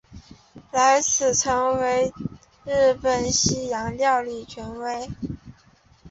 他自此成为当时日本的西洋料理权威。